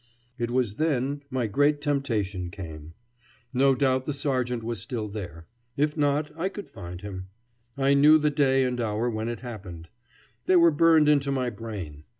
It was then my great temptation came. No doubt the sergeant was still there. If not, I could find him. I knew the day and hour when it happened. They were burned into my brain.